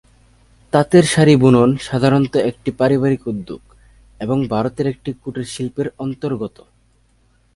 তাঁতের শাড়ি বুনন সাধারণত একটি পারিবারিক উদ্যোগ এবং ভারতের একটি কুটির শিল্পের অন্তর্গত।